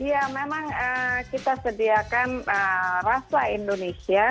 ya memang kita sediakan rasa indonesia